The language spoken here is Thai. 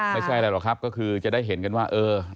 ไม่ใช่อะไรหรอกครับก็คือจะได้เห็นกันว่าเออ